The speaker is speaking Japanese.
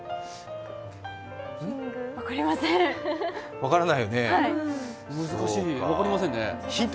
分からないよね、ヒント